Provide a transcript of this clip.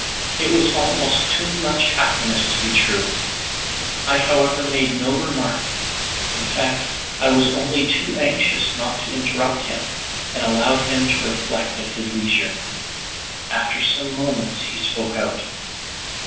It was almost too much happiness to be true. I however made no remark. In fact, I was only too anxious not to interrupt him, and allowed him to reflect at his leisure. After some moments he spoke out.